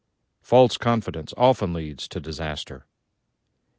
False confidence often leads to disaster.